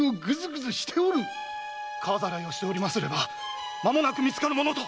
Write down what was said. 川浚いをしておりますればまもなく見つかるものと！